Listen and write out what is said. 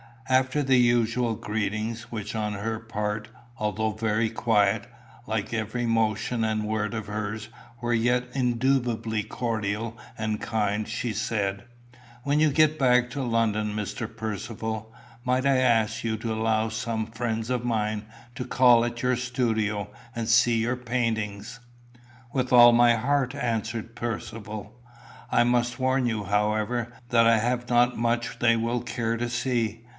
After the usual greetings, which on her part, although very quiet, like every motion and word of hers, were yet indubitably cordial and kind, she said, "When you get back to London, Mr. Percivale, might I ask you to allow some friends of mine to call at your studio, and see your paintings?" "With all my heart," answered Percivale. "I must warn you, however, that I have not much they will care to see.